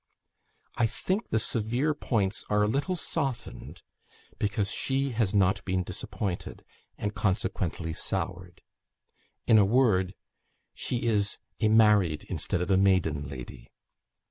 I think the severe points are a little softened, because she has not been disappointed, and consequently soured. In a word, she is a married instead of a maiden lady.